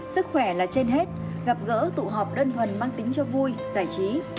sức khỏe là trên hết gặp gỡ tụ họp đơn thuần mang tính cho vui giải trí